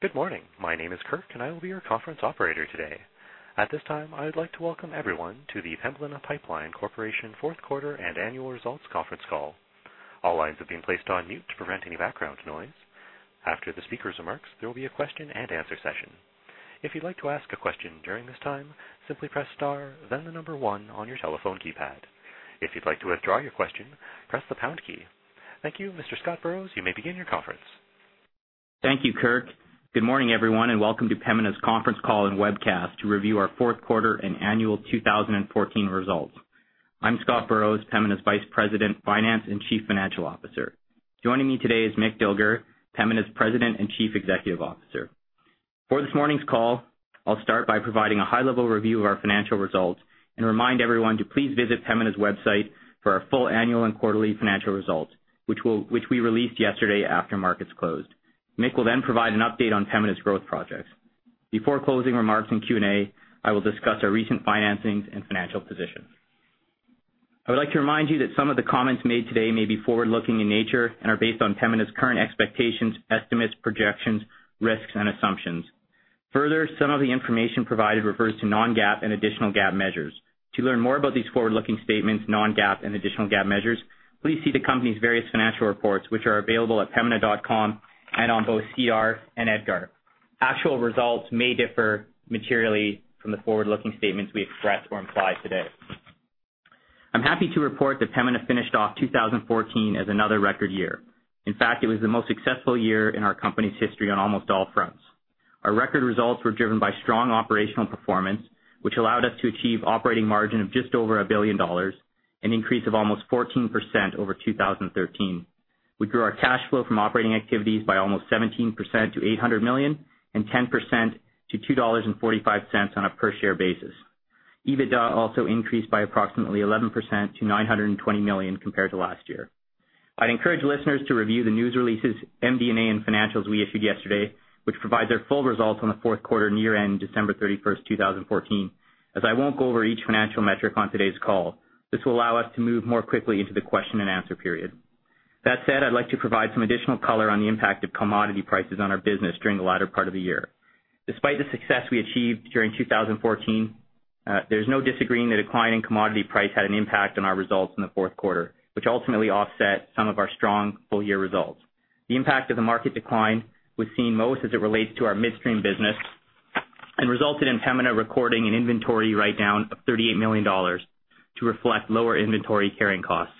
Good morning. My name is Kirk, and I will be your conference operator today. At this time, I would like to welcome everyone to the Pembina Pipeline Corporation fourth quarter and annual results conference call. All lines have been placed on mute to prevent any background noise. After the speaker's remarks, there will be a question and answer session. If you'd like to ask a question during this time, simply press star then the number one on your telephone keypad. If you'd like to withdraw your question, press the pound key. Thank you. Mr. Scott Burrows, you may begin your conference. Thank you, Kirk. Good morning, everyone, and welcome to Pembina's conference call and webcast to review our fourth quarter and annual 2014 results. I'm Scott Burrows, Pembina's Vice President, Finance, and Chief Financial Officer. Joining me today is Mick Dilger, Pembina's President and Chief Executive Officer. For this morning's call, I'll start by providing a high-level review of our financial results and remind everyone to please visit Pembina's website for our full annual and quarterly financial results, which we released yesterday after markets closed. Mick will then provide an update on Pembina's growth projects. Before closing remarks in Q&A, I will discuss our recent financings and financial position. I would like to remind you that some of the comments made today may be forward-looking in nature and are based on Pembina's current expectations, estimates, projections, risks, and assumptions. Further, some of the information provided refers to non-GAAP and additional GAAP measures. To learn more about these forward-looking statements, non-GAAP, and additional GAAP measures, please see the company's various financial reports, which are available at pembina.com and on both SEDAR and EDGAR. Actual results may differ materially from the forward-looking statements we express or imply today. I'm happy to report that Pembina finished off 2014 as another record year. In fact, it was the most successful year in our company's history on almost all fronts. Our record results were driven by strong operational performance, which allowed us to achieve operating margin of just over 1 billion dollars, an increase of almost 14% over 2013. We grew our cash flow from operating activities by almost 17% to 800 million and 10% to 2.45 dollars on a per-share basis. EBITDA also increased by approximately 11% to 920 million compared to last year. I'd encourage listeners to review the news releases, MD&A, and financials we issued yesterday, which provide the full results for the fourth quarter and year-end December 31st, 2014, as I won't go over each financial metric on today's call. This will allow us to move more quickly into the question and answer period. That said, I'd like to provide some additional color on the impact of commodity prices on our business during the latter part of the year. Despite the success we achieved during 2014, there's no denying the decline in commodity price had an impact on our results in the fourth quarter, which ultimately offset some of our strong full-year results. The impact of the market decline was seen most as it relates to our midstream business and resulted in Pembina recording an inventory write-down of 38 million dollars to reflect lower inventory carrying costs.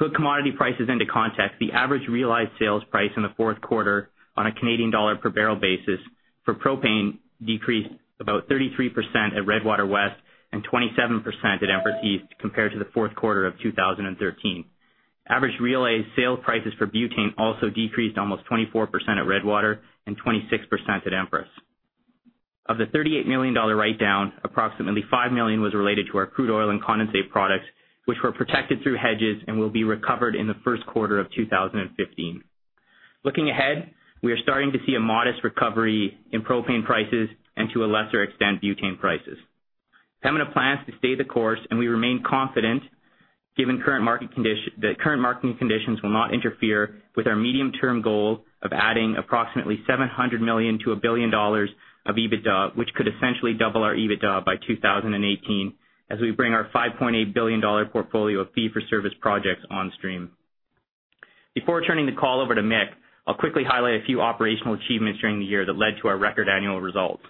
To put commodity prices into context, the average realized sales price in the fourth quarter on a Canadian dollar per barrel basis for propane decreased about 33% at Redwater West and 27% at Empress East compared to the fourth quarter of 2013. Average realized sales prices for butane also decreased almost 24% at Redwater and 26% at Empress. Of the 38 million dollar write-down, approximately 5 million was related to our crude oil and condensate products, which were protected through hedges and will be recovered in the first quarter of 2015. Looking ahead, we are starting to see a modest recovery in propane prices and, to a lesser extent, butane prices. Pembina plans to stay the course, and we remain confident that current marketing conditions will not interfere with our medium-term goal of adding approximately 700 million-1 billion dollars of EBITDA, which could essentially double our EBITDA by 2018 as we bring our 5.8 billion dollar portfolio of fee-for-service projects on stream. Before turning the call over to Mick, I'll quickly highlight a few operational achievements during the year that led to our record annual results.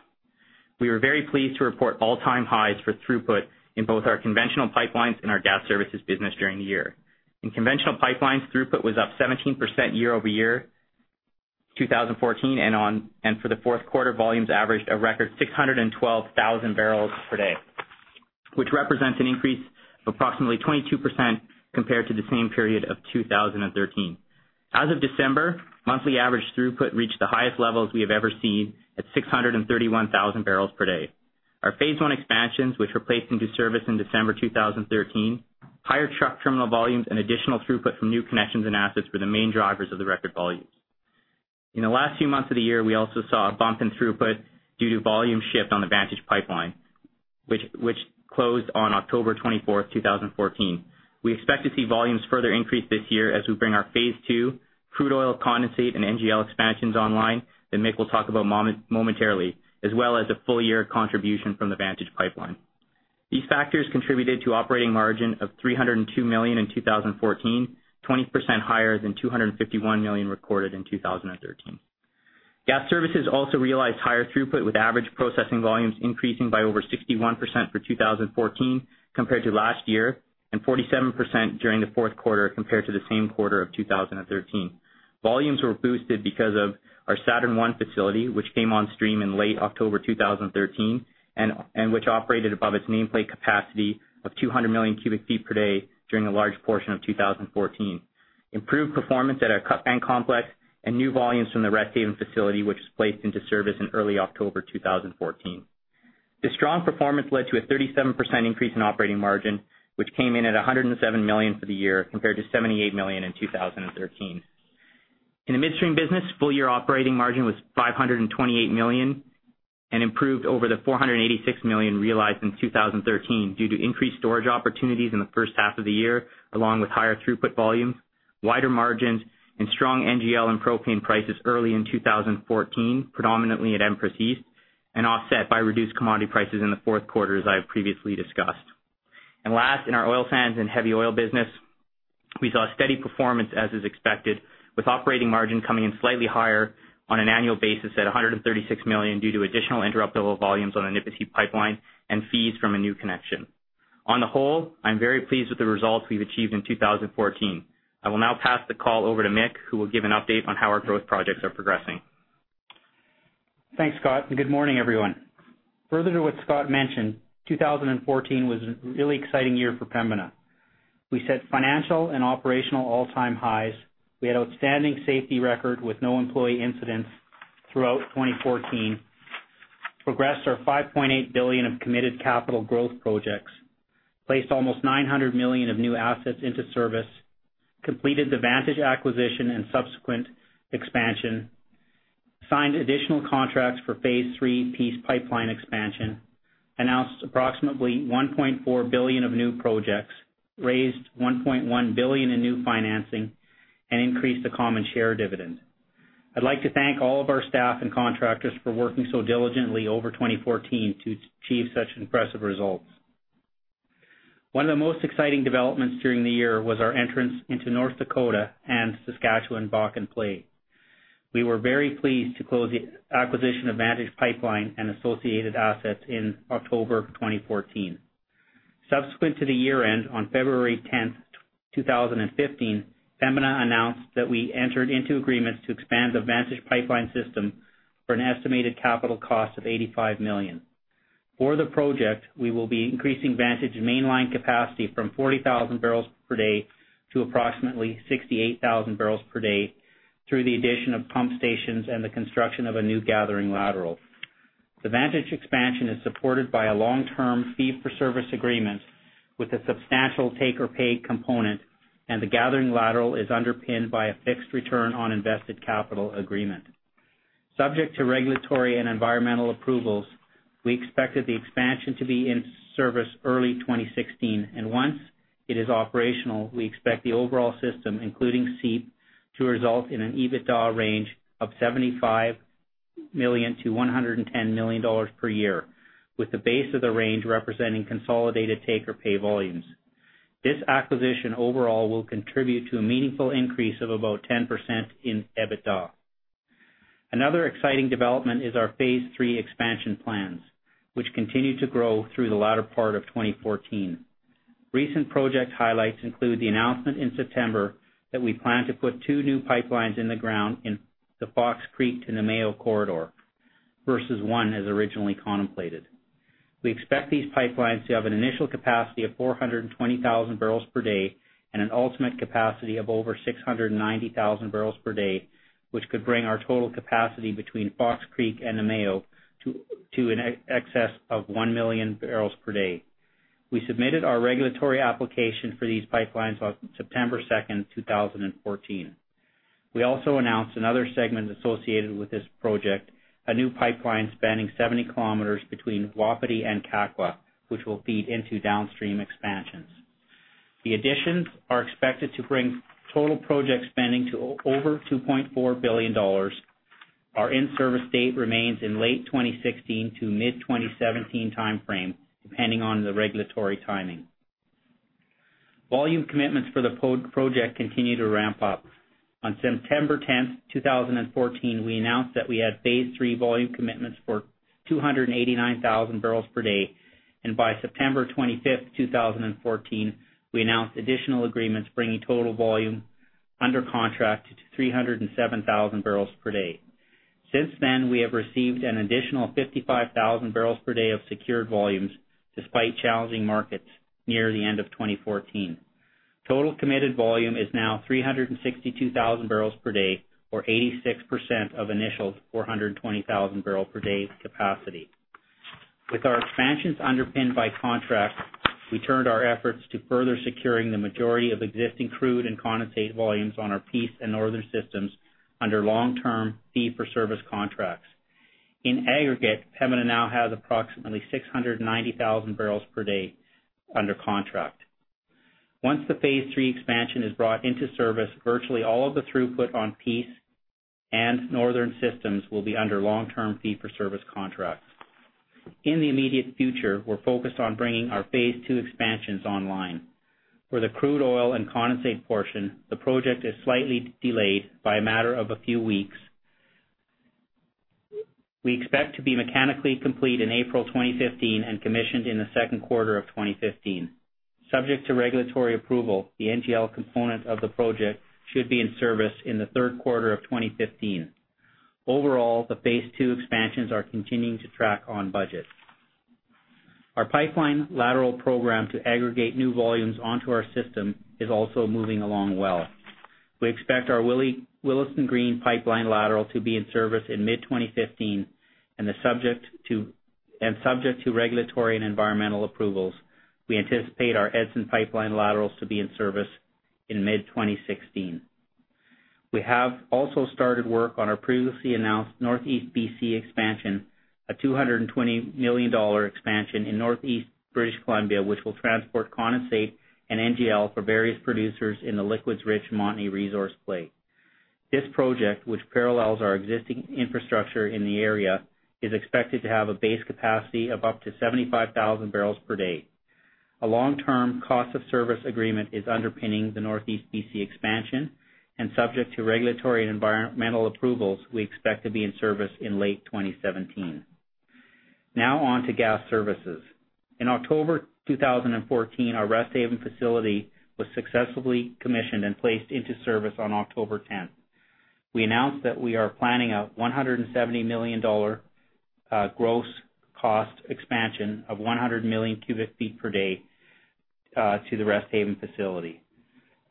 We were very pleased to report all-time highs for throughput in both our conventional pipelines and our gas services business during the year. In conventional pipelines, throughput was up 17% year-over-year 2014, and for the fourth quarter, volumes averaged a record 612,000 bbl per day, which represents an increase of approximately 22% compared to the same period of 2013. As of December, monthly average throughput reached the highest levels we have ever seen at 631,000 bbl per day. Our phase I expansions, which were placed into service in December 2013, higher truck terminal volumes, and additional throughput from new connections and assets were the main drivers of the record volumes. In the last few months of the year, we also saw a bump in throughput due to volume shift on the Vantage Pipeline, which closed on October 24th, 2014. We expect to see volumes further increase this year as we bring our phase II crude oil condensate and NGL expansions online that Mick will talk about momentarily, as well as a full year of contribution from the Vantage Pipeline. These factors contributed to operating margin of 302 million in 2014, 20% higher than 251 million recorded in 2013. Gas services also realized higher throughput, with average processing volumes increasing by over 61% for 2014 compared to last year and 47% during the fourth quarter compared to the same quarter of 2013. Volumes were boosted because of our Saturn I facility, which came on stream in late October 2013 and which operated above its nameplate capacity of 200 million cu ft per day during a large portion of 2014, improved performance at our Cutbank Complex, and new volumes from the Resthaven facility, which was placed into service in early October 2014. This strong performance led to a 37% increase in operating margin, which came in at 107 million for the year compared to 78 million in 2013. In the midstream business, full-year operating margin was 528 million and improved over the 486 million realized in 2013 due to increased storage opportunities in the first half of the year, along with higher throughput volumes, wider margins, and strong NGL and propane prices early in 2014, predominantly at Empress East, and offset by reduced commodity prices in the fourth quarter, as I have previously discussed. Last, in our oil sands and heavy oil business, we saw steady performance as is expected, with operating margin coming in slightly higher on an annual basis at 136 million due to additional interruptible volumes on the Nipisi Pipeline and fees from a new connection. On the whole, I'm very pleased with the results we've achieved in 2014. I will now pass the call over to Mick, who will give an update on how our growth projects are progressing. Thanks, Scott, and good morning, everyone. Further to what Scott mentioned, 2014 was a really exciting year for Pembina. We set financial and operational all-time highs. We had outstanding safety record with no employee incidents throughout 2014, progressed our 5.8 billion of committed capital growth projects, placed almost 900 million of new assets into service, completed the Vantage acquisition and subsequent expansion, signed additional contracts for phase III Peace Pipeline expansion, announced approximately 1.4 billion of new projects, raised 1.1 billion in new financing, and increased the common share dividend. I'd like to thank all of our staff and contractors for working so diligently over 2014 to achieve such impressive results. One of the most exciting developments during the year was our entrance into North Dakota and Saskatchewan Bakken Play. We were very pleased to close the acquisition of Vantage Pipeline and associated assets in October of 2014. Subsequent to the year-end, on February 10th, 2015, Pembina announced that we entered into agreements to expand the Vantage Pipeline system for an estimated capital cost of 85 million. For the project, we will be increasing Vantage mainline capacity from 40,000 bbl per day to approximately 68,000 bbl per day through the addition of pump stations and the construction of a new gathering lateral. The Vantage expansion is supported by a long-term fee-for-service agreement with a substantial take-or-pay component, and the gathering lateral is underpinned by a fixed return on invested capital agreement. Subject to regulatory and environmental approvals, we expected the expansion to be in service early 2016, and once it is operational, we expect the overall system, including SEEP, to result in an EBITDA range of 75 million-110 million dollars per year, with the base of the range representing consolidated take-or-pay volumes. This acquisition overall will contribute to a meaningful increase of about 10% in EBITDA. Another exciting development is our phase III expansion plans, which continued to grow through the latter part of 2014. Recent project highlights include the announcement in September that we plan to put two new pipelines in the ground in the Fox Creek to Namao corridor, versus one as originally contemplated. We expect these pipelines to have an initial capacity of 420,000 bbl per day and an ultimate capacity of over 690,000 bbl per day, which could bring our total capacity between Fox Creek and Namao to an excess of 1 million bbl per day. We submitted our regulatory application for these pipelines on September 2nd, 2014. We also announced another segment associated with this project, a new pipeline spanning 70 km between Wapiti and Kakwa, which will feed into downstream expansions. The additions are expected to bring total project spending to over 2.4 billion dollars. Our in-service date remains in late 2016 to mid-2017 timeframe, depending on the regulatory timing. Volume commitments for the project continue to ramp up. On September 10th, 2014, we announced that we had phase III volume commitments for 289,000 bbl per day, and by September 25th, 2014, we announced additional agreements bringing total volume under contract to 307,000 bbl per day. Since then, we have received an additional 55,000 bbl per day of secured volumes, despite challenging markets near the end of 2014. Total committed volume is now 362,000 bbl per day or 86% of initial 420,000 barrel per day capacity. With our expansions underpinned by contracts, we turned our efforts to further securing the majority of existing crude and condensate volumes on our Peace and Northern Systems under long-term fee-for-service contracts. In aggregate, Pembina now has approximately 690,000 bbl per day under contract. Once the phase III expansion is brought into service, virtually all of the throughput on Peace and Northern Systems will be under long-term fee-for-service contracts. In the immediate future, we're focused on bringing our phase II expansions online. For the crude oil and condensate portion, the project is slightly delayed by a matter of a few weeks. We expect to be mechanically complete in April 2015 and commissioned in the second quarter of 2015. Subject to regulatory approval, the NGL component of the project should be in service in the third quarter of 2015. Overall, the phase II expansions are continuing to track on budget. Our pipeline lateral program to aggregate new volumes onto our system is also moving along well. We expect our Willesden Green pipeline lateral to be in service in mid-2015. Subject to regulatory and environmental approvals, we anticipate our Edson pipeline laterals to be in service in mid-2016. We have also started work on our previously announced Northeast BC expansion, a 220 million dollar expansion in Northeast British Columbia, which will transport condensate and NGL for various producers in the liquids-rich Montney resource play. This project, which parallels our existing infrastructure in the area, is expected to have a base capacity of up to 75,000 bbl per day. A long-term cost of service agreement is underpinning the Northeast BC expansion, and subject to regulatory and environmental approvals, we expect to be in service in late 2017. Now on to gas services. In October 2014, our Resthaven facility was successfully commissioned and placed into service on October 10. We announced that we are planning a 170 million dollar gross cost expansion of 100 million cu ft per day to the Resthaven facility,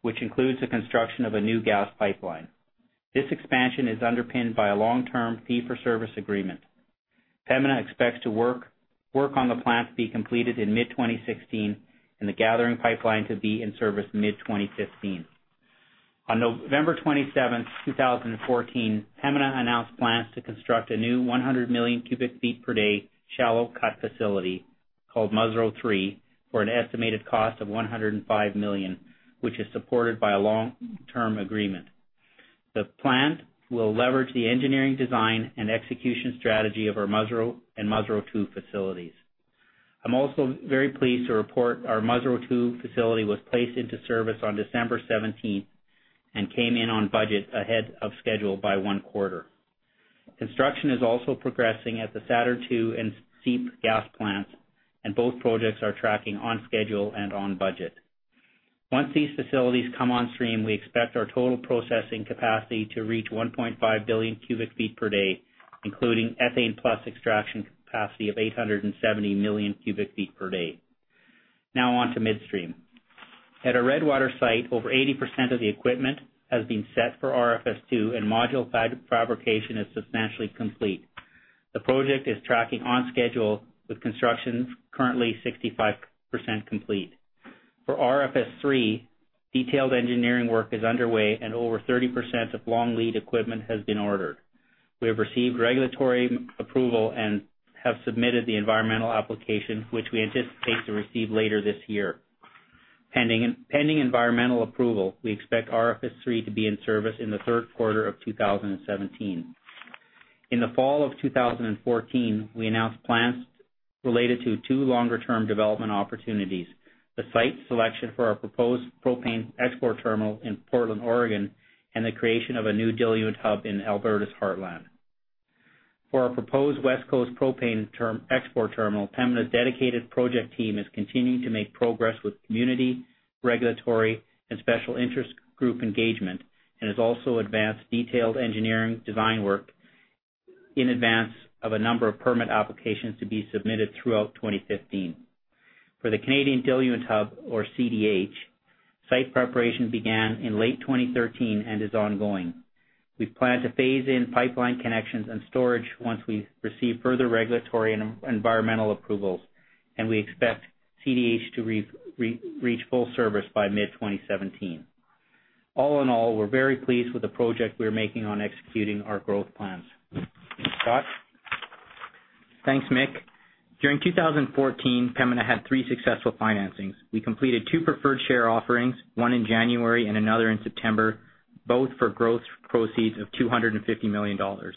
which includes the construction of a new gas pipeline. This expansion is underpinned by a long-term fee-for-service agreement. Pembina expects work on the plant to be completed in mid-2016 and the gathering pipeline to be in service mid-2015. On November 27th, 2014, Pembina announced plans to construct a new 100 million cu ft per day shallow cut facility called Musreau III for an estimated cost of 105 million, which is supported by a long-term agreement. The plant will leverage the engineering design and execution strategy of our Musreau and Musreau II facilities. I'm also very pleased to report our Musreau II facility was placed into service on December 17th, and came in on budget ahead of schedule by one quarter. Construction is also progressing at the Saturn II and SEEP gas plants, and both projects are tracking on schedule and on budget. Once these facilities come on stream, we expect our total processing capacity to reach 1.5 billion cu ft per day, including ethane plus extraction capacity of 870 million cu ft per day. Now on to midstream. At our Redwater site, over 80% of the equipment has been set for RFS II and module fabrication is substantially complete. The project is tracking on schedule with construction currently 65% complete. For RFS III, detailed engineering work is underway and over 30% of long lead equipment has been ordered. We have received regulatory approval and have submitted the environmental application, which we anticipate to receive later this year. Pending environmental approval, we expect RFS III to be in service in the third quarter of 2017. In the fall of 2014, we announced plans related to two longer-term development opportunities, the site selection for our proposed propane export terminal in Portland, Oregon, and the creation of a new diluent hub in Alberta's Heartland. For our proposed West Coast propane export terminal, Pembina's dedicated project team is continuing to make progress with community, regulatory, and special interest group engagement and has also advanced detailed engineering design work in advance of a number of permit applications to be submitted throughout 2015. For the Canadian Diluent Hub or CDH, site preparation began in late 2013 and is ongoing. We plan to phase in pipeline connections and storage once we receive further regulatory and environmental approvals, and we expect CDH to reach full service by mid-2017. All in all, we're very pleased with the progress we're making on executing our growth plans. Scott? Thanks, Mick. During 2014, Pembina had three successful financings. We completed two preferred share offerings, one in January and another in September, both for gross proceeds of 250 million dollars.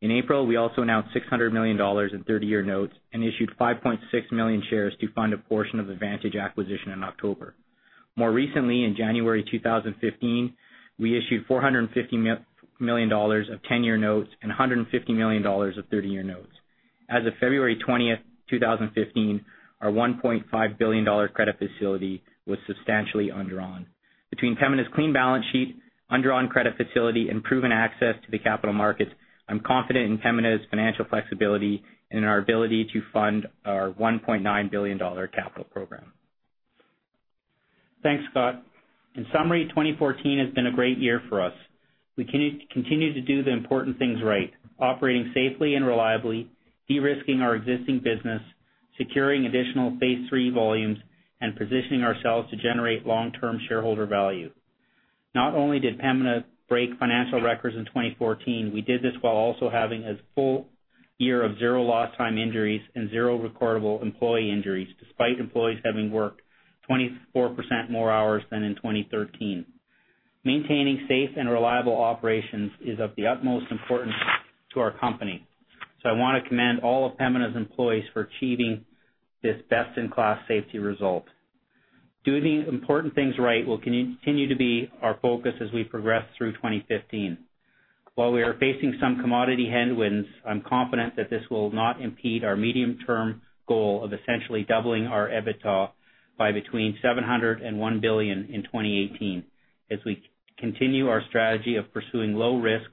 In April, we also announced 600 million dollars in 30-year notes and issued 5.6 million shares to fund a portion of the Vantage acquisition in October. More recently, in January 2015, we issued 450 million dollars of 10-year notes and 150 million dollars of 30-year notes. As of February 20th, 2015, our 1.5 billion dollar credit facility was substantially undrawn. Between Pembina's clean balance sheet, undrawn credit facility, and proven access to the capital markets, I'm confident in Pembina's financial flexibility and in our ability to fund our 1.9 billion dollar capital program. Thanks, Scott. In summary, 2014 has been a great year for us. We continue to do the important things right, operating safely and reliably, de-risking our existing business, securing additional Phase III volumes, and positioning ourselves to generate long-term shareholder value. Not only did Pembina break financial records in 2014, we did this while also having a full year of zero lost time injuries and zero recordable employee injuries, despite employees having worked 24% more hours than in 2013. Maintaining safe and reliable operations is of the utmost importance to our company. I want to commend all of Pembina's employees for achieving this best-in-class safety result. Doing the important things right will continue to be our focus as we progress through 2015. While we are facing some commodity headwinds, I'm confident that this will not impede our medium-term goal of essentially doubling our EBITDA by between 700 and 1 billion in 2018, as we continue our strategy of pursuing low-risk,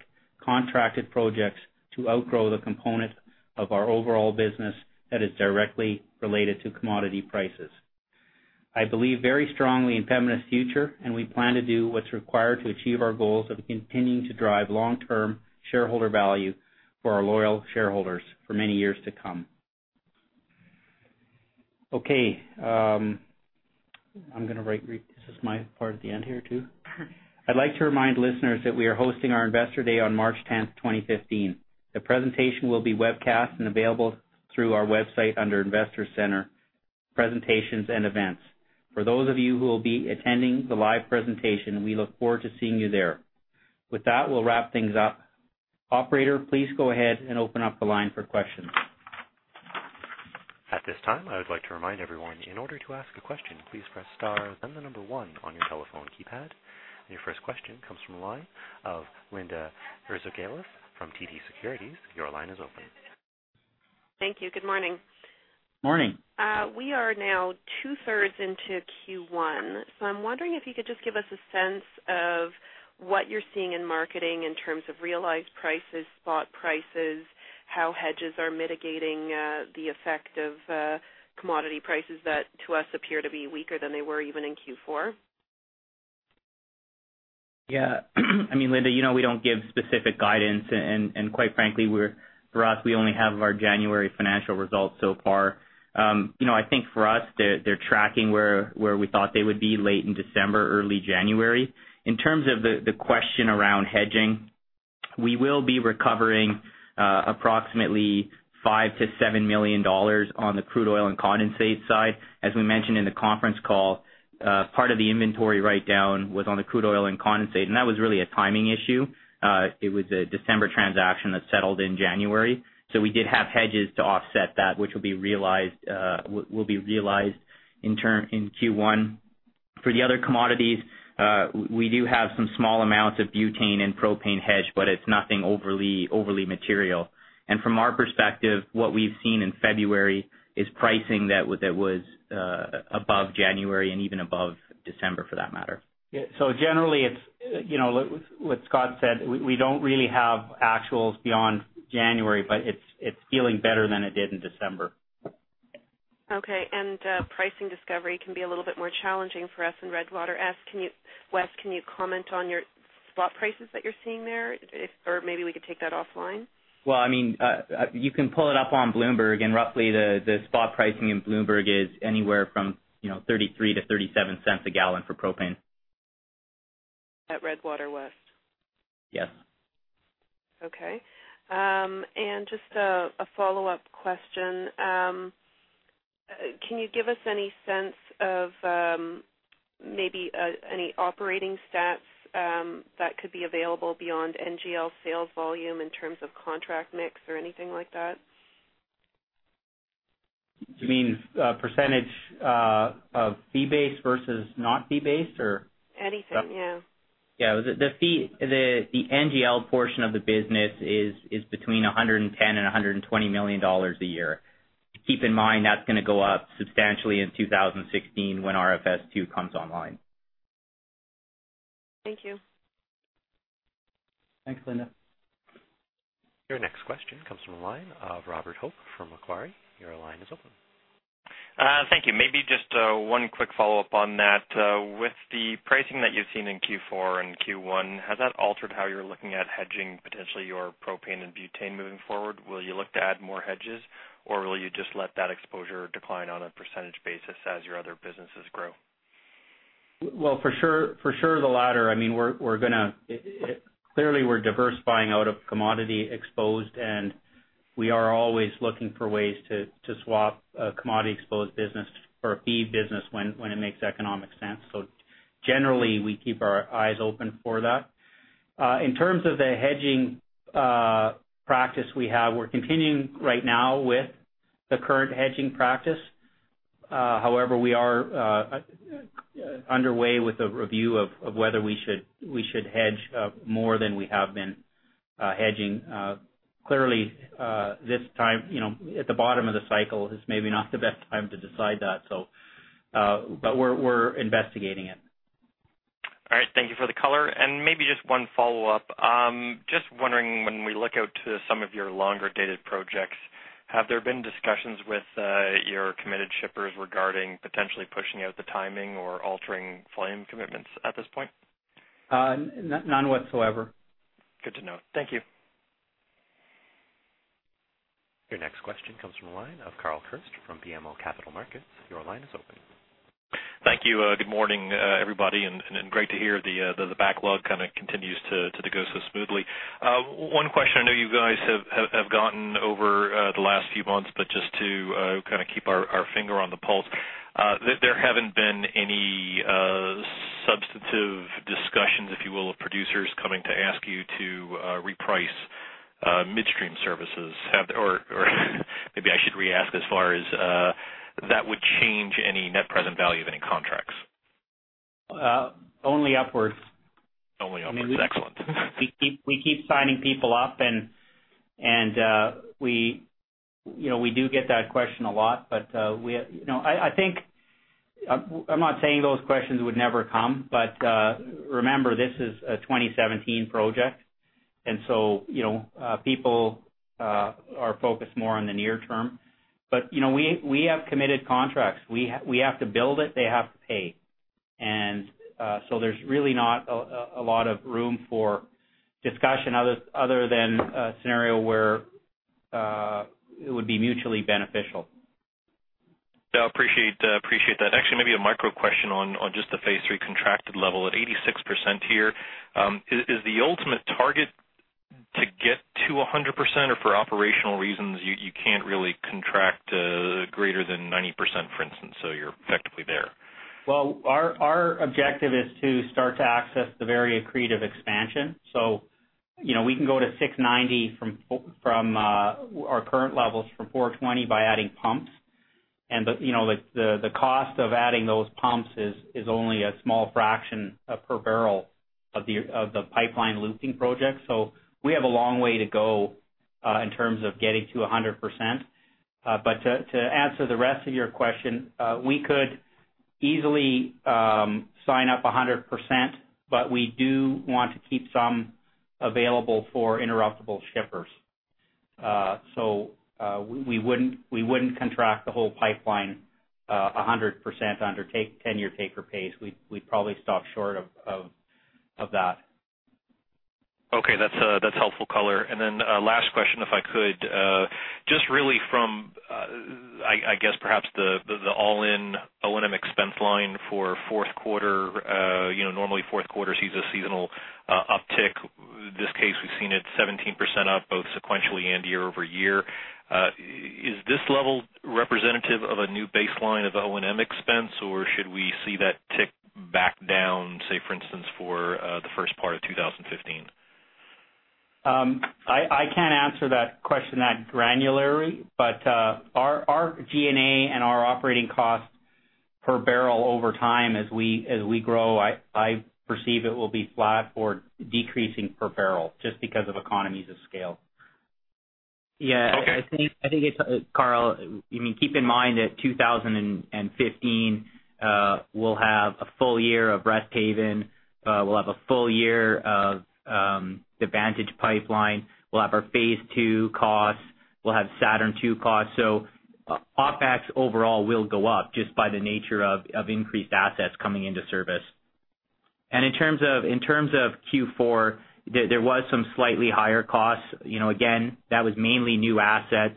contracted projects to outgrow the component of our overall business that is directly related to commodity prices. I believe very strongly in Pembina's future, and we plan to do what's required to achieve our goals of continuing to drive long-term shareholder value for our loyal shareholders for many years to come. Okay. I'm going to read. Is this my part at the end here, too? I'd like to remind listeners that we are hosting our Investor Day on March 10th, 2015. The presentation will be webcast and available through our website under Investor Center, Presentations and Events. For those of you who will be attending the live presentation, we look forward to seeing you there. With that, we'll wrap things up. Operator, please go ahead and open up the line for questions. At this time, I would like to remind everyone, in order to ask a question, please press star, then the number one on your telephone keypad. Your first question comes from the line of Linda Ezergailis from TD Securities. Your line is open. Thank you. Good morning. Morning. We are now two-thirds into Q1, so I'm wondering if you could just give us a sense of what you're seeing in marketing in terms of realized prices, spot prices, how hedges are mitigating the effect of commodity prices that, to us, appear to be weaker than they were even in Q4? Yeah. I mean, Linda, you know we don't give specific guidance and, quite frankly, for us, we only have our January financial results so far. I think for us, they're tracking where we thought they would be late in December, early January. In terms of the question around hedging, we will be recovering approximately 5 million-7 million dollars on the crude oil and condensate side. As we mentioned in the conference call, part of the inventory write-down was on the crude oil and condensate, and that was really a timing issue. It was a December transaction that settled in January, so we did have hedges to offset that, which will be realized in Q1. For the other commodities, we do have some small amounts of butane and propane hedge, but it's nothing overly material. From our perspective, what we've seen in February is pricing that was above January and even above December, for that matter. Yeah. Generally, what Scott said, we don't really have actuals beyond January, but it's feeling better than it did in December. Okay. Pricing discovery can be a little bit more challenging for us in Redwater West. Can you comment on your spot prices that you're seeing there? Or maybe we could take that offline. Well, you can pull it up on Bloomberg, and roughly, the spot pricing in Bloomberg is anywhere from $0.33-$0.37 a gallon for propane. At Redwater West. Yes. Okay. Just a follow-up question. Can you give us any sense of maybe any operating stats that could be available beyond NGL sales volume in terms of contract mix or anything like that? You mean percentage of fee-based versus not fee-based, or? Anything, yeah. Yeah. The NGL portion of the business is between 110 million and 120 million dollars a year. Keep in mind, that's going to go up substantially in 2016 when RFS II comes online. Thank you. Thanks, Linda. Your next question comes from the line of Robert Hope from Macquarie. Your line is open. Thank you. Maybe just one quick follow-up on that. With the pricing that you've seen in Q4 and Q1, has that altered how you're looking at hedging, potentially, your propane and butane moving forward? Will you look to add more hedges, or will you just let that exposure decline on a percentage basis as your other businesses grow? Well, for sure the latter. Clearly, we're diversifying out of commodity exposed, and we are always looking for ways to swap a commodity-exposed business for a fee business when it makes economic sense. Generally, we keep our eyes open for that. In terms of the hedging practice we have, we're continuing right now with the current hedging practice. However, we are underway with a review of whether we should hedge more than we have been hedging. Clearly, at the bottom of the cycle is maybe not the best time to decide that. We're investigating it. All right. Thank you for the color. Maybe just one follow-up. Just wondering, when we look out to some of your longer-dated projects, have there been discussions with your committed shippers regarding potentially pushing out the timing or altering volume commitments at this point? None whatsoever. Good to know. Thank you. Your next question comes from the line of Carl Kirst from BMO Capital Markets. Your line is open. Thank you. Good morning, everybody, and great to hear the backlog kind of continues to go so smoothly. One question I know you guys have gone over the last few months, but just to kind of keep our finger on the pulse, there haven't been any substantive discussions, if you will, of producers coming to ask you to reprice midstream services. Maybe I should re-ask as far as that would change any net present value of any contracts? Only upwards. Only upwards. Excellent. We keep signing people up, and we do get that question a lot. I'm not saying those questions would never come. Remember, this is a 2017 project. People are focused more on the near term. We have committed contracts. We have to build it. They have to pay. There's really not a lot of room for discussion other than a scenario where it would be mutually beneficial. Yeah, I appreciate that. Actually, maybe a micro question on just the phase III contracted level at 86% here. Is the ultimate target to get to 100% or for operational reasons you can't really contract greater than 90%, for instance, so you're effectively there? Well, our objective is to start to access the very accretive expansion. We can go to 690 from our current levels from 420 by adding pumps. The cost of adding those pumps is only a small fraction per bbl of the pipeline looping project. We have a long way to go in terms of getting to 100%. To answer the rest of your question, we could easily sign up 100%, but we do want to keep some available for interruptible shippers. We wouldn't contract the whole pipeline 100% under 10-year take-or-pay. We'd probably stop short of that. Okay. That's helpful color. Last question, if I could. Just really from, I guess perhaps the all-in O&M expense line for fourth quarter. Normally fourth quarter sees a seasonal uptick. In this case, we've seen it 17% up, both sequentially and year-over-year. Is this level representative of a new baseline of O&M expense or should we see that tick back down, say, for instance, for the first part of 2015? I can't answer that question that granularly, but our G&A and our operating cost per barrel over time as we grow, I perceive it will be flat or decreasing per barrel just because of economies of scale. Yeah. Okay. Carl, keep in mind that 2015, we'll have a full year of Resthaven, we'll have a full year of the Vantage Pipeline, we'll have our phase two costs, we'll have Saturn II costs. OpEx overall will go up just by the nature of increased assets coming into service. In terms of Q4, there was some slightly higher costs. Again, that was mainly new assets.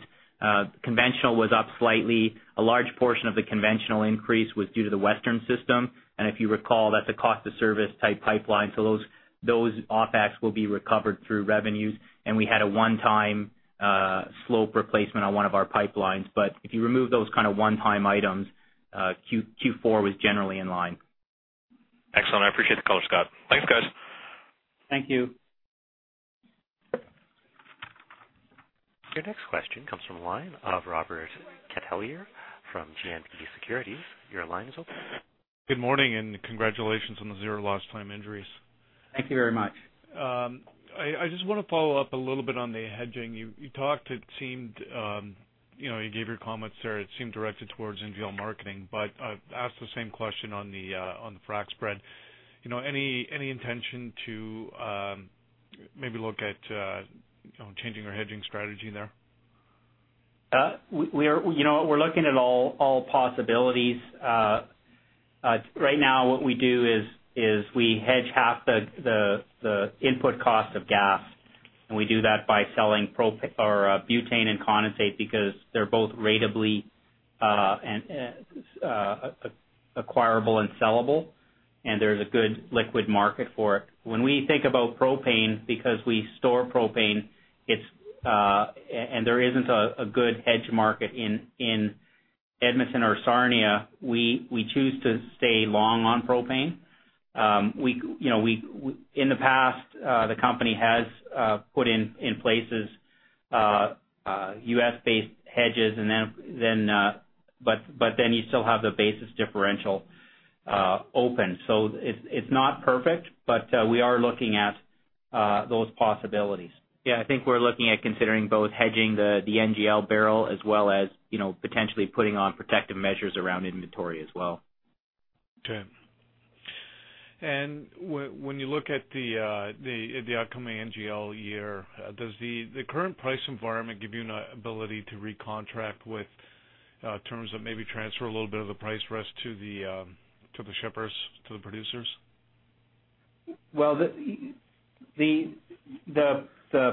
Conventional was up slightly. A large portion of the conventional increase was due to the Western Pipeline System, and if you recall, that's a cost of service type pipeline, so those OpEx will be recovered through revenues. We had a one-time slope replacement on one of our pipelines. If you remove those kind of one-time items, Q4 was generally in line. Excellent. I appreciate the color, Scott. Thanks, guys. Thank you. Your next question comes from the line of Robert Catellier from GMP Securities. Your line is open. Good morning, and congratulations on the zero lost time injuries. Thank you very much. I just want to follow up a little bit on the hedging. You gave your comments there, it seemed directed towards NGL marketing, but I'd ask the same question on the frac spread. Any intention to maybe look at changing your hedging strategy there? We're looking at all possibilities. Right now what we do is we hedge half the input cost of gas, and we do that by selling butane and condensate because they're both ratably acquirable and sellable, and there's a good liquid market for it. When we think about propane, because we store propane, and there isn't a good hedge market in Edmonton or Sarnia, we choose to stay long on propane. In the past, the company has put in place U.S.-based hedges, but then you still have the basis differential open. It's not perfect, but we are looking at those possibilities. Yeah, I think we're looking at considering both hedging the NGL barrel as well as potentially putting on protective measures around inventory as well. Okay. When you look at the upcoming NGL year, does the current price environment give you an ability to recontract with terms that maybe transfer a little bit of the price risk to the shippers, to the producers? Well, the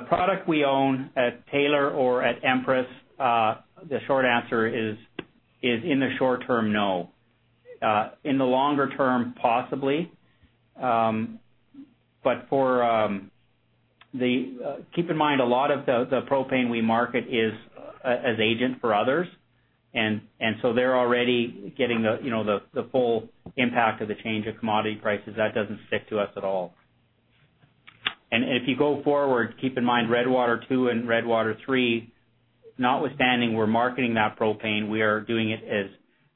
product we own at Taylor or at Empress, the short answer is, in the short term, no. In the longer term, possibly. But keep in mind, a lot of the propane we market is as agent for others, and so they're already getting the full impact of the change of commodity prices. That doesn't stick to us at all. If you go forward, keep in mind RFS II and RFS III, notwithstanding we're marketing that propane, we are doing it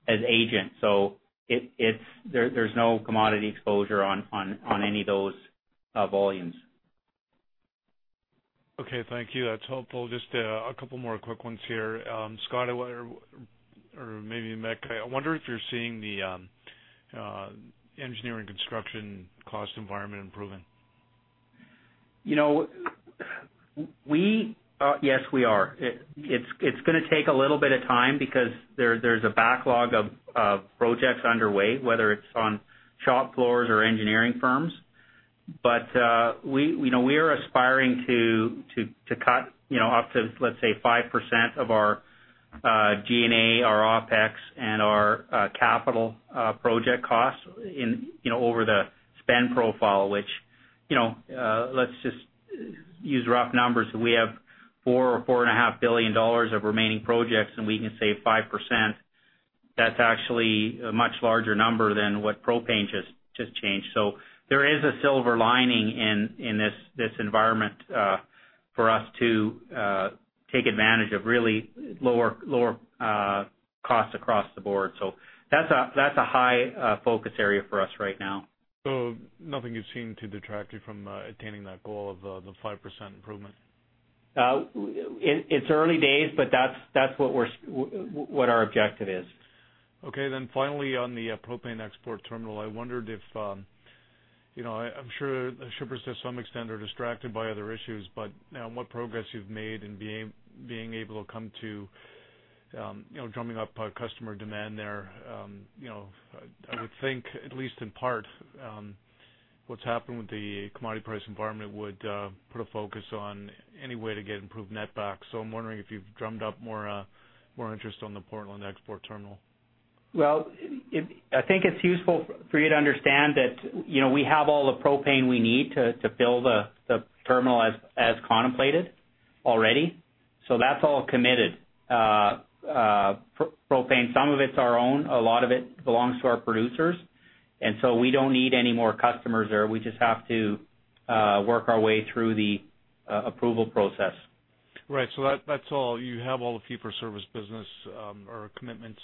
as agent. So there's no commodity exposure on any of those volumes. Okay, thank you. That's helpful. Just a couple more quick ones here. Scott, or maybe Mick, I wonder if you're seeing the engineering construction cost environment improving? Yes, we are. It's going to take a little bit of time because there's a backlog of projects underway, whether it's on shop floors or engineering firms. We are aspiring to cut up to, let's say, 5% of our G&A, our OpEx, and our capital project costs over the spend profile, which, let's just use rough numbers. We have 4 billion dollars or CAD 4.5 billion of remaining projects, and we can save 5%. That's actually a much larger number than what propane just changed. There is a silver lining in this environment for us to take advantage of really lower costs across the board. That's a high focus area for us right now. Nothing you've seen to detract you from attaining that goal of the 5% improvement? It's early days, but that's what our objective is. Okay, finally, on the propane export terminal, I wondered if I'm sure shippers, to some extent, are distracted by other issues, but what progress you've made in drumming up customer demand there. I would think, at least in part, what's happened with the commodity price environment would put a focus on any way to get improved net backs. I'm wondering if you've drummed up more interest on the Portland export terminal. Well, I think it's useful for you to understand that we have all the propane we need to build the terminal as contemplated already. So that's all committed propane. Some of it's our own. A lot of it belongs to our producers. We don't need any more customers there. We just have to work our way through the approval process. Right. That's all. You have all the fee-for-service business or commitments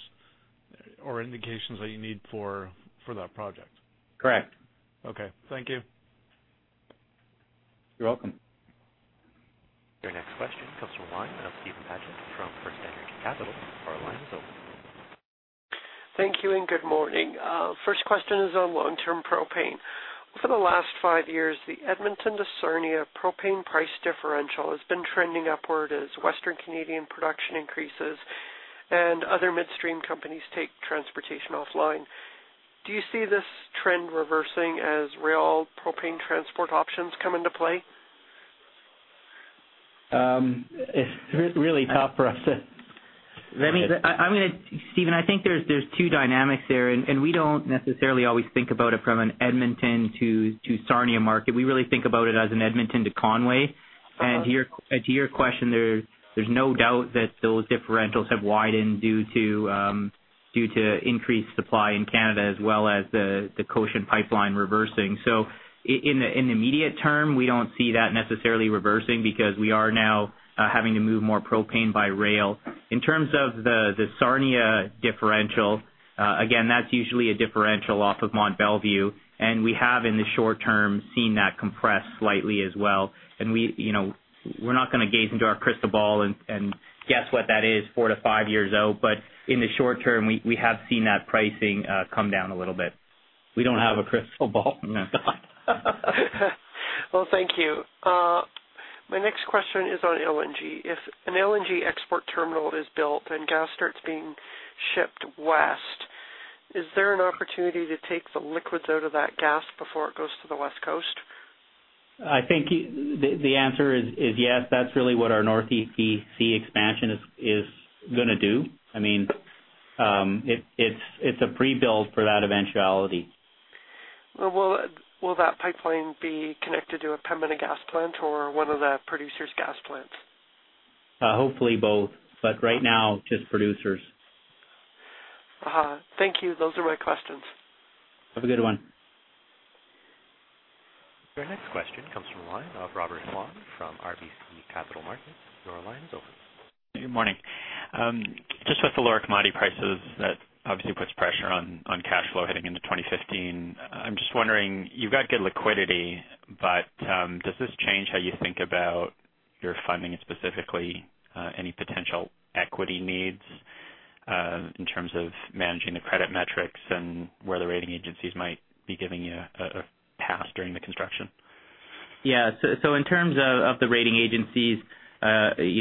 or indications that you need for that project. Correct. Okay. Thank you. You're welcome. Your next question comes from the line of Steven Paget from FirstEnergy Capital. Your line is open. Thank you, and good morning. First question is on long-term propane. Over the last five years, the Edmonton to Sarnia propane price differential has been trending upward as Western Canadian production increases and other midstream companies take transportation offline. Do you see this trend reversing as rail propane transport options come into play? It's really tough for us to. Steven, I think there's two dynamics there, and we don't necessarily always think about it from an Edmonton to Sarnia market. We really think about it as an Edmonton to Conway. To your question, there's no doubt that those differentials have widened due to increased supply in Canada, as well as the Cochin Pipeline reversing. In the immediate term, we don't see that necessarily reversing because we are now having to move more propane by rail. In terms of the Sarnia differential, again, that's usually a differential off of Mont Belvieu, and we have, in the short term, seen that compress slightly as well. We're not going to gaze into our crystal ball and guess what that is four to five years out, but in the short term, we have seen that pricing come down a little bit. We don't have a crystal ball. Well, thank you. My next question is on LNG. If an LNG export terminal is built and gas starts being shipped west, is there an opportunity to take the liquids out of that gas before it goes to the West Coast? I think the answer is yes. That's really what our Northeast BC Expansion is going to do. It's a pre-build for that eventuality. Will that pipeline be connected to a Pembina gas plant or one of the producer's gas plants? Hopefully both, but right now, just producers. Thank you. Those are my questions. Have a good one. Your next question comes from the line of Robert Hope from Macquarie. Your line is open. Good morning. Just with the lower commodity prices, that obviously puts pressure on cash flow heading into 2015. I'm just wondering, you've got good liquidity, but does this change how you think about your funding, and specifically any potential equity needs in terms of managing the credit metrics and where the rating agencies might be giving you a pass during the construction? Yeah. In terms of the rating agencies, S&P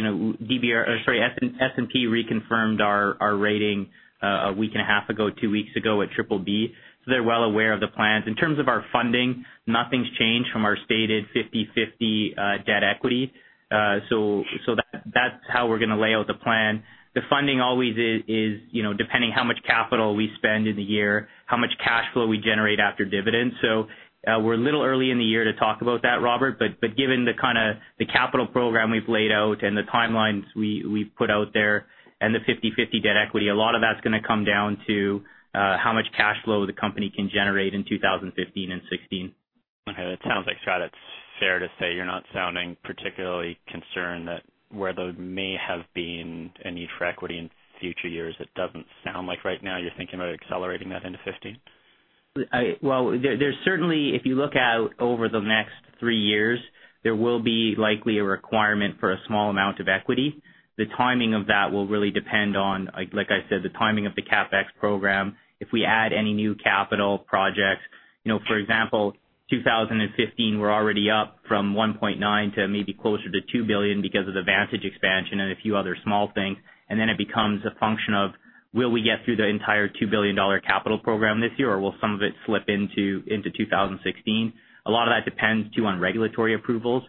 reconfirmed our rating a week and a half ago, two weeks ago, at Triple B. They're well aware of the plans. In terms of our funding, nothing's changed from our stated 50/50 debt equity. That's how we're going to lay out the plan. The funding always is depending how much capital we spend in the year, how much cash flow we generate after dividends. We're a little early in the year to talk about that, Robert, but given the capital program we've laid out and the timelines we've put out there and the 50/50 debt equity, a lot of that's going to come down to how much cash flow the company can generate in 2015 and 2016. Okay. It sounds like, Scott, it's fair to say you're not sounding particularly concerned that where there may have been a need for equity in future years, it doesn't sound like right now you're thinking about accelerating that into 2015. Well, certainly, if you look out over the next three years, there will be likely a requirement for a small amount of equity. The timing of that will really depend on, like I said, the timing of the CapEx program. If we add any new capital projects, for example, 2015, we're already up from 1.9 billion to maybe closer to 2 billion because of the Vantage expansion and a few other small things. Then it becomes a function of will we get through the entire 2 billion dollar capital program this year, or will some of it slip into 2016? A lot of that depends, too, on regulatory approvals.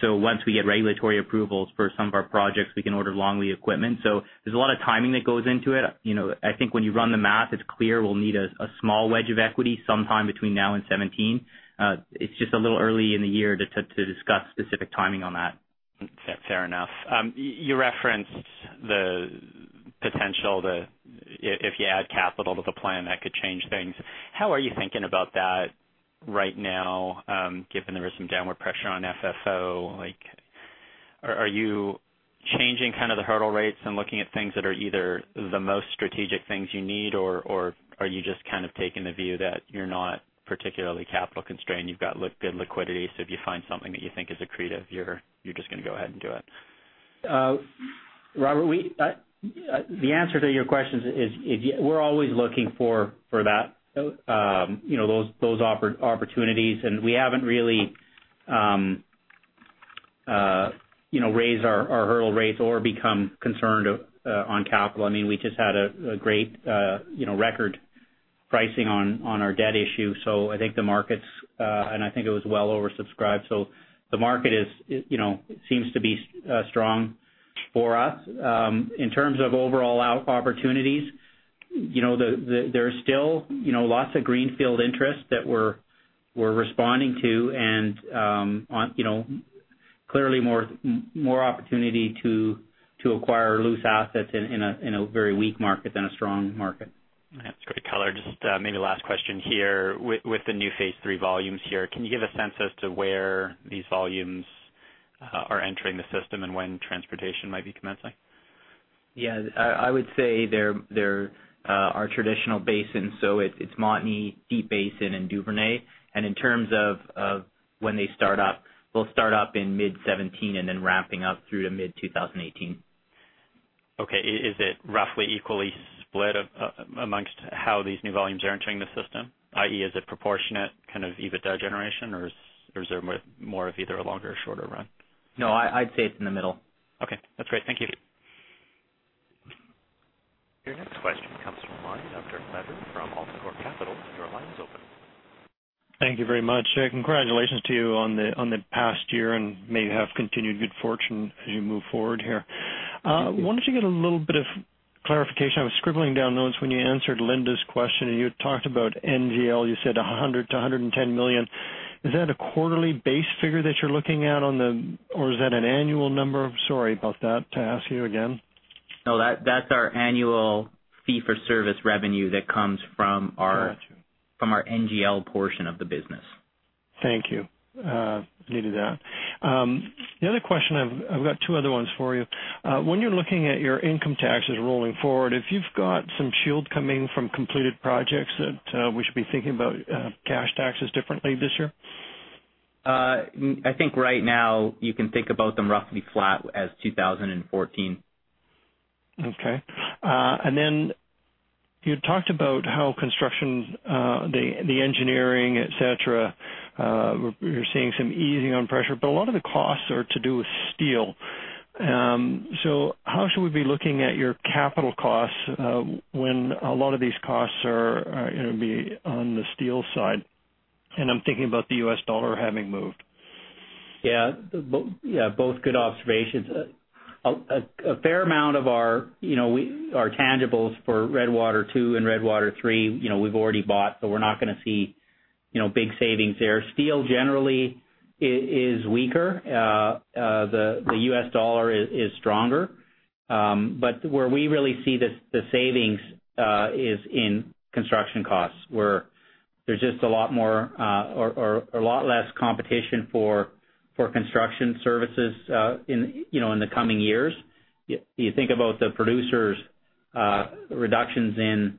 Once we get regulatory approvals for some of our projects, we can order long-lead equipment. There's a lot of timing that goes into it. I think when you run the math, it's clear we'll need a small wedge of equity sometime between now and 2017. It's just a little early in the year to discuss specific timing on that. Fair enough. You referenced the potential that if you add capital to the plan, that could change things. How are you thinking about that right now, given there is some downward pressure on FFO? Are you changing the hurdle rates and looking at things that are either the most strategic things you need, or are you just taking the view that you're not particularly capital constrained, you've got good liquidity, so if you find something that you think is accretive, you're just going to go ahead and do it? Robert, the answer to your question is we're always looking for those opportunities, and we haven't really raised our hurdle rates or become concerned on capital. We just had a great record pricing on our debt issue, and I think it was well oversubscribed. The market seems to be strong for us. In terms of overall opportunities, there is still lots of greenfield interest that we're responding to and clearly more opportunity to acquire loose assets in a very weak market than a strong market. That's great color. Just maybe last question here. With the new phase III volumes here, can you give a sense as to where these volumes are entering the system and when transportation might be commencing? Yeah. I would say they're our traditional basins, so it's Montney, Deep Basin, and Duvernay. In terms of when they start up, they'll start up in mid-2017 and then ramping up through to mid-2018. Okay. Is it roughly equally split among how these new volumes are entering the system, i.e., is it proportionate kind of EBITDA generation, or is there more of either a longer or shorter run? No, I'd say it's in the middle. Okay, that's great. Thank you. Your next question comes from the line of Dirk Lever from AltaCorp Capital. Your line is open. Thank you very much. Congratulations to you on the past year, and may you have continued good fortune as you move forward here. Thank you. I wanted to get a little bit of clarification. I was scribbling down notes when you answered Linda's question, and you had talked about NGL. You said 100 million-110 million. Is that a quarterly base figure that you're looking at, or is that an annual number? Sorry about that. To ask you again. No, that's our annual fee for service revenue that comes from our Got you. NGL portion of the business. Thank you. I needed that. The other question, I've got two other ones for you. When you're looking at your income taxes rolling forward, have you got some shield coming from completed projects that we should be thinking about cash taxes differently this year? I think right now you can think about them roughly flat as 2014. Okay. You talked about how construction, the engineering, et cetera, you're seeing some easing on pressure, but a lot of the costs are to do with steel. How should we be looking at your capital costs when a lot of these costs are going to be on the steel side? I'm thinking about the US dollar having moved. Yeah. Both good observations. A fair amount of our tangibles for RFS II and RFS III, we've already bought, so we're not going to see big savings there. Steel generally is weaker. The US dollar is stronger. Where we really see the savings is in construction costs, where there's just a lot less competition for construction services in the coming years. You think about the producers' reductions in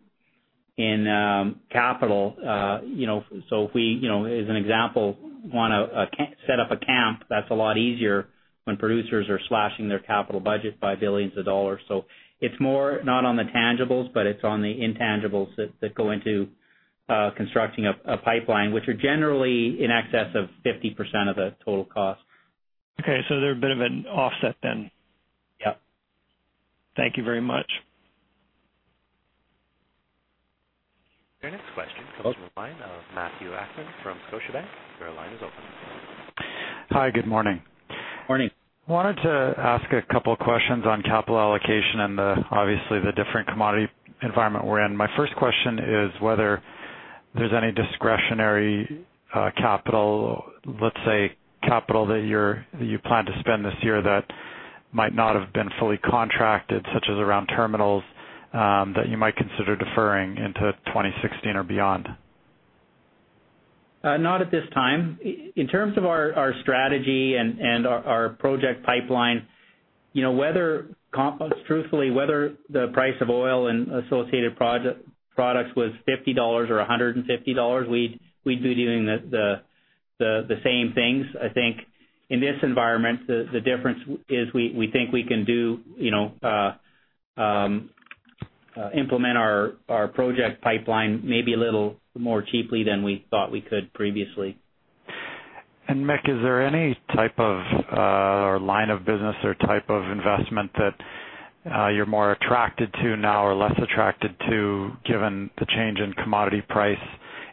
capital. If we, as an example, want to set up a camp, that's a lot easier when producers are slashing their capital budget by billions of dollars. It's more not on the tangibles, but it's on the intangibles that go into constructing a pipeline, which are generally in excess of 50% of the total cost. Okay, they're a bit of an offset then. Yep. Thank you very much. Your next question comes from the line of Matthew Akman from Scotiabank. Your line is open. Hi, good morning. Morning. I wanted to ask a couple questions on capital allocation and obviously the different commodity environment we're in. My first question is whether there's any discretionary capital, let's say, capital that you plan to spend this year that might not have been fully contracted, such as around terminals, that you might consider deferring into 2016 or beyond. Not at this time. In terms of our strategy and our project pipeline, truthfully, whether the price of oil and associated products was $50 or $150, we'd be doing the same things. I think in this environment, the difference is we think we can implement our project pipeline maybe a little more cheaply than we thought we could previously. Mick, is there any type of line of business or type of investment that you're more attracted to now or less attracted to, given the change in commodity price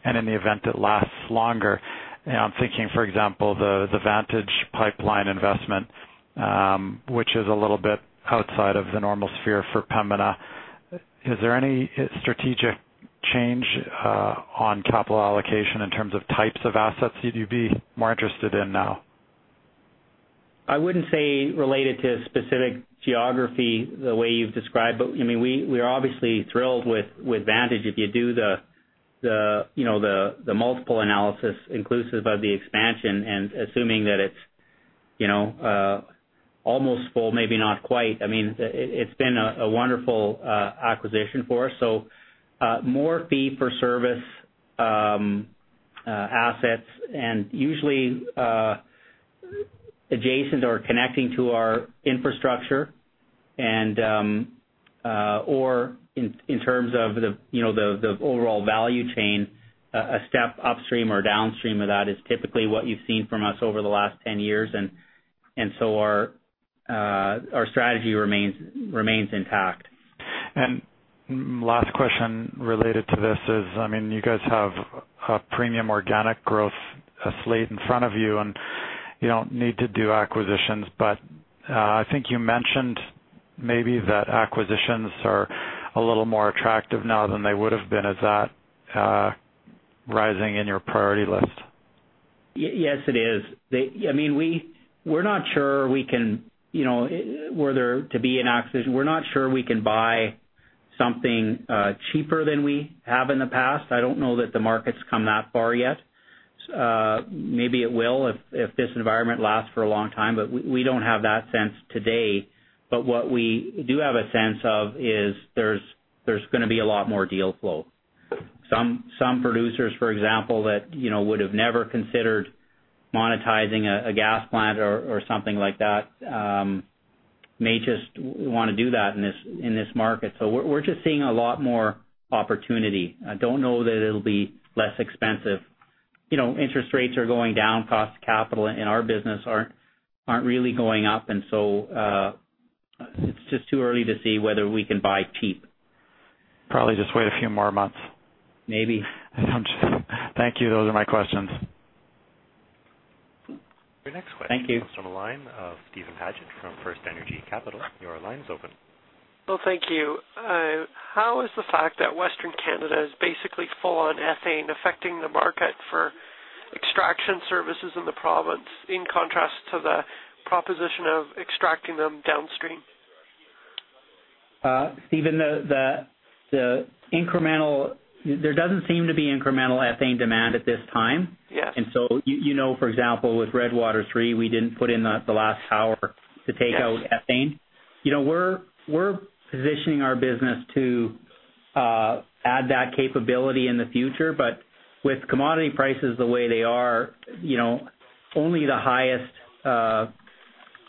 and in the event it lasts longer? I'm thinking, for example, the Vantage Pipeline investment, which is a little bit outside of the normal sphere for Pembina. Is there any strategic change on capital allocation in terms of types of assets you'd be more interested in now? I wouldn't say related to a specific geography the way you've described, but we are obviously thrilled with Vantage. If you do the multiple analysis inclusive of the expansion and assuming that it's almost full, maybe not quite. It's been a wonderful acquisition for us. More fee-for-service assets and usually adjacent or connecting to our infrastructure or in terms of the overall value chain, a step upstream or downstream of that is typically what you've seen from us over the last 10 years. Our strategy remains intact. Last question related to this is, you guys have a premium organic growth slate in front of you, and you don't need to do acquisitions, but I think you mentioned maybe that acquisitions are a little more attractive now than they would've been. Is that rising in your priority list? Yes, it is. We're not sure we can. Were there to be an acquisition, we're not sure we can buy something cheaper than we have in the past. I don't know that the market's come that far yet. Maybe it will if this environment lasts for a long time, but we don't have that sense today. What we do have a sense of is there's going to be a lot more deal flow. Some producers, for example, that would've never considered monetizing a gas plant or something like that, may just want to do that in this market. We're just seeing a lot more opportunity. I don't know that it'll be less expensive. Interest rates are going down. Cost of capital in our business aren't really going up. It's just too early to see whether we can buy cheap. Probably just wait a few more months. Maybe. Thank you. Those are my questions. Thank you. Your next question comes from the line of Steven Paget from FirstEnergy Capital. Your line's open. Well, thank you. How is the fact that Western Canada is basically full on ethane affecting the market for extraction services in the province, in contrast to the proposition of extracting them downstream? Steven, there doesn't seem to be incremental ethane demand at this time. Yes. You know, for example, with RFS III, we didn't put in the last tower to take out ethane. We're positioning our business to add that capability in the future. With commodity prices the way they are, only the highest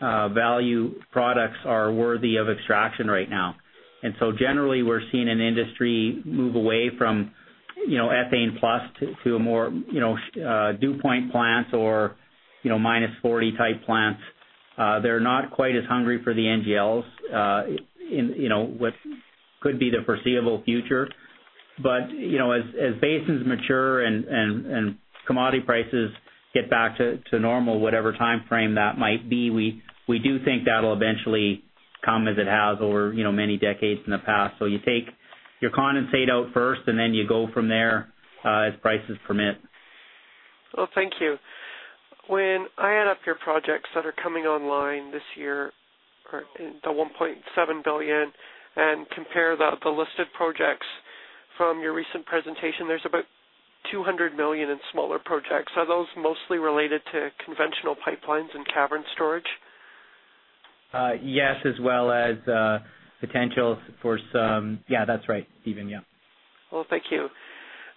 value products are worthy of extraction right now. Generally, we're seeing an industry move away from ethane plus to a more dew point plant or -40 type plants. They're not quite as hungry for the NGLs, which could be the foreseeable future. As basins mature and commodity prices get back to normal, whatever timeframe that might be, we do think that'll eventually come as it has over many decades in the past. You take your condensate out first, and then you go from there, as prices permit. Well, thank you. When I add up your projects that are coming online this year, or the 1.7 billion, and compare the listed projects from your recent presentation, there's about 200 million in smaller projects. Are those mostly related to conventional pipelines and cavern storage? Yes, as well as potentials for some. Yeah, that's right, Steven. Yeah. Well, thank you.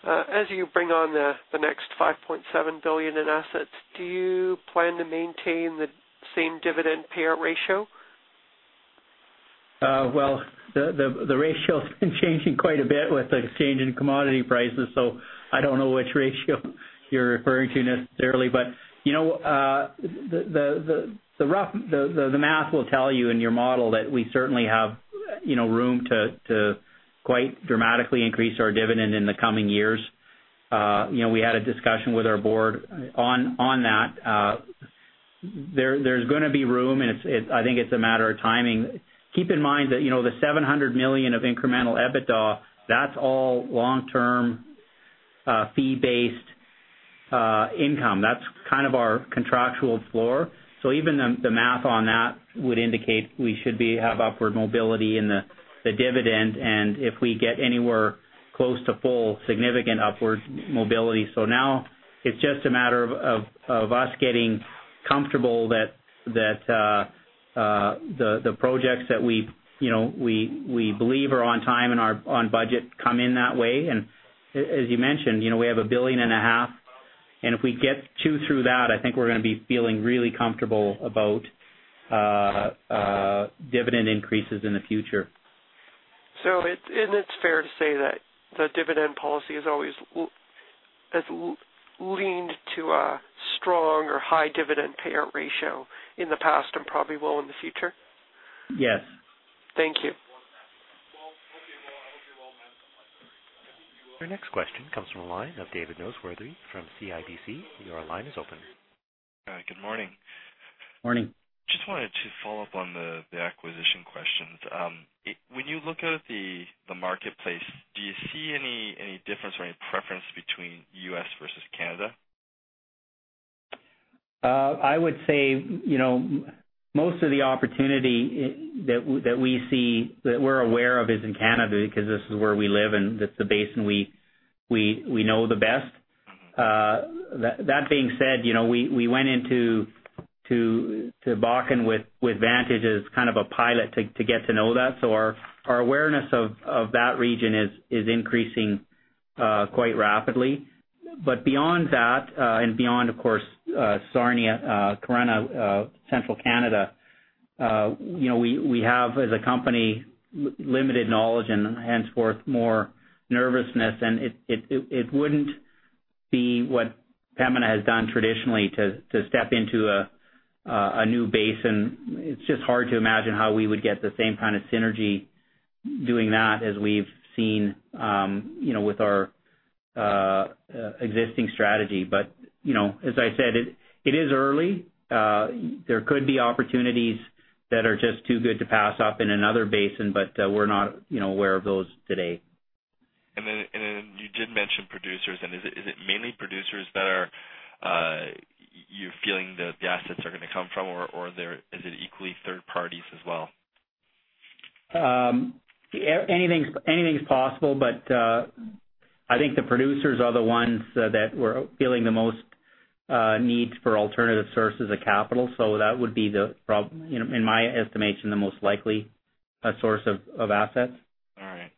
As you bring on the next 5.7 billion in assets, do you plan to maintain the same dividend payout ratio? Well, the ratio's been changing quite a bit with the change in commodity prices, so I don't know which ratio you're referring to necessarily, but the math will tell you in your model that we certainly have room to quite dramatically increase our dividend in the coming years. We had a discussion with our board on that. There's going to be room, and I think it's a matter of timing. Keep in mind that the 700 million of incremental EBITDA, that's all long-term, fee-based income. That's kind of our contractual floor. Even the math on that would indicate we should have upward mobility in the dividend, and if we get anywhere close to full, significant upward mobility. Now it's just a matter of us getting comfortable that the projects that we believe are on time and are on budget come in that way. As you mentioned, we have 1.5 billion, and if we get 2 billion through that, I think we're going to be feeling really comfortable about dividend increases in the future. It's fair to say that the dividend policy has leaned to a strong or high dividend payout ratio in the past and probably will in the future? Yes. Thank you. Your next question comes from the line of David Noseworthy from CIBC. Your line is open. Good morning. Morning. Just wanted to follow up on the acquisition questions. When you look out at the marketplace, do you see any difference or any preference between U.S. versus Canada? I would say, most of the opportunity that we're aware of is in Canada because this is where we live and it's the basin we know the best. Mm-hmm. That being said, we went into Bakken with Vantage as kind of a pilot to get to know that. So our awareness of that region is increasing quite rapidly. Beyond that and beyond, of course, Sarnia, Corunna, Central Canada, we have, as a company, limited knowledge and henceforth, more nervousness. It wouldn't be what Pembina has done traditionally to step into a new basin. It's just hard to imagine how we would get the same kind of synergy doing that as we've seen with our existing strategy. As I said, it is early. There could be opportunities that are just too good to pass up in another basin, but we're not aware of those today. You did mention producers, and is it mainly producers that you're feeling the assets are going to come from, or is it equally third parties as well? Anything's possible, but I think the producers are the ones that were feeling the most needs for alternative sources of capital. That would be, in my estimation, the most likely source of assets. All right.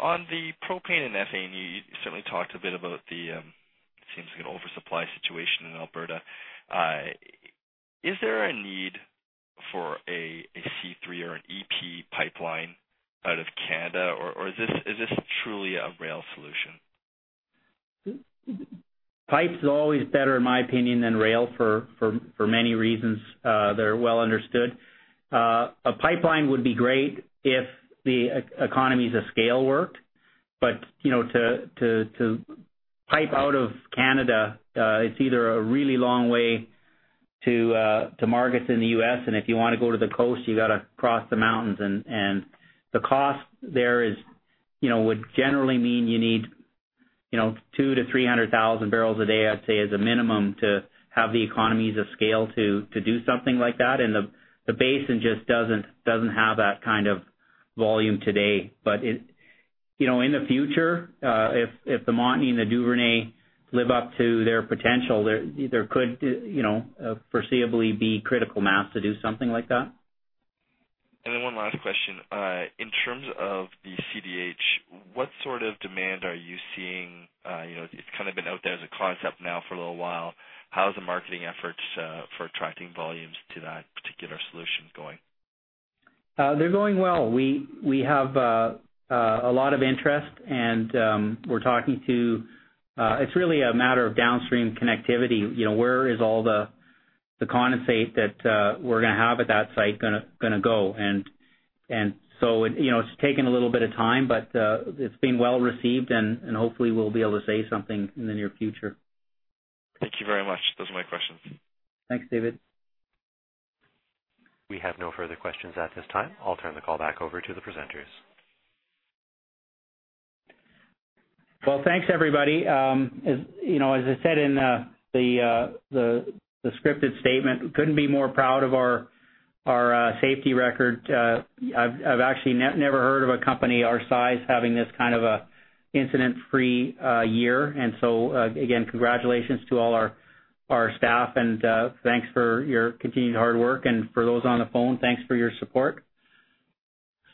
On the propane and ethane, you certainly talked a bit about the, seems like an oversupply situation in Alberta. Is there a need for a C3 or an EP pipeline out of Canada, or is this truly a rail solution? Pipe's always better, in my opinion, than rail for many reasons. They're well understood. A pipeline would be great if the economies of scale worked, but to pipe out of Canada, it's either a really long way to markets in the U.S., and if you want to go to the coast, you got to cross the mountains. The cost there would generally mean you need 200,000 bbl-300,000 bbl a day, I'd say, as a minimum, to have the economies of scale to do something like that. The basin just doesn't have that kind of volume today. In the future, if the Montney and the Duvernay live up to their potential, there could foreseeably be critical mass to do something like that. One last question. In terms of the CDH, what sort of demand are you seeing? It's kind of been out there as a concept now for a little while. How is the marketing efforts for attracting volumes to that particular solution going? They're going well. We have a lot of interest, and we're talking to. It's really a matter of downstream connectivity. Where is all the condensate that we're going to have at that site gonna go? It's taken a little bit of time, but it's been well-received, and hopefully we'll be able to say something in the near future. Thank you very much. Those are my questions. Thanks, David. We have no further questions at this time. I'll turn the call back over to the presenters. Well, thanks, everybody. As I said in the scripted statement, we couldn't be more proud of our safety record. I've actually never heard of a company our size having this kind of a incident-free year. Again, congratulations to all our staff, and thanks for your continued hard work. For those on the phone, thanks for your support.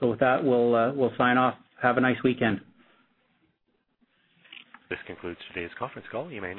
With that, we'll sign off. Have a nice weekend. This concludes today's conference call. You may disconnect.